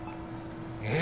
えっ？